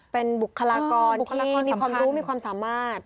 เป็นบุคลากรที่มีความรู้มีความสามารถ